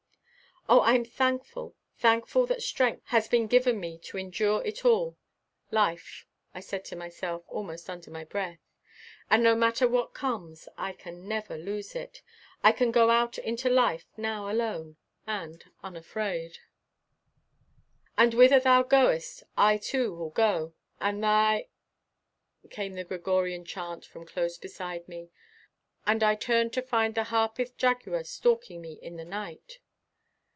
"Oh, I'm thankful, thankful that strength has been given me to endure it all life," I said to myself, almost under my breath. "And no matter what comes I can never lose it. I can go out into life now alone and unafraid." "'And whither thou goest I too will go, and thy '" came the Gregorian chant from close beside me, and I turned to find the Harpeth Jaguar stalking me in the night.